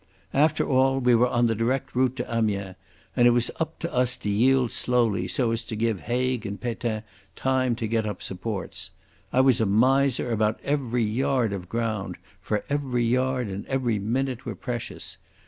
After all, we were on the direct route to Amiens, and it was up to us to yield slowly so as to give Haig and Pétain time to get up supports. I was a miser about every yard of ground, for every yard and every minute were precious.